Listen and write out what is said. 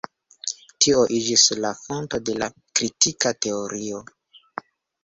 Tio iĝis la fondo de la kritika teorio.